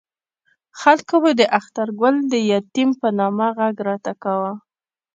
خلکو به د اخترګل د یتیم په نامه غږ راته کاوه.